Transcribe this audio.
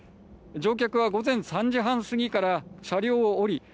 乗客は午前３時半過ぎから車両を降り